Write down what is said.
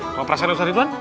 kalau perasaan ustadz ibuan